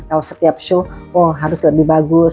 kalau setiap show wah harus lebih bagus